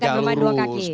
tidak kagumai dua kaki